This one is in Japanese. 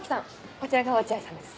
こちらが落合さんです。